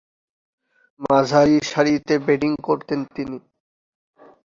মাঝারিসারিতে batting করতেন তিনি।